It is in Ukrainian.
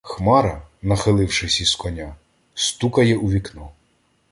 Хмара, нахилившись із коня, стукає у вікно: